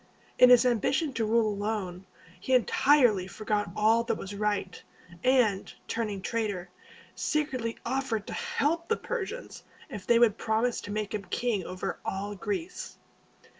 In his ambition to rule alone, he entirely forgot all that was right, and, turning traitor, secretly offered to help the Persians if they would promise to make him king over all Greece.